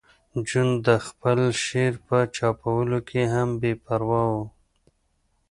جون د خپل شعر په چاپولو کې هم بې پروا و